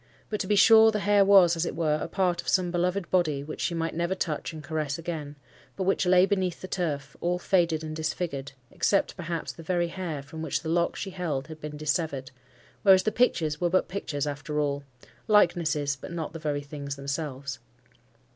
But, to be sure, the hair was, as it were, a part of some beloved body which she might never touch and caress again, but which lay beneath the turf, all faded and disfigured, except perhaps the very hair, from which the lock she held had been dissevered; whereas the pictures were but pictures after all—likenesses, but not the very things themselves.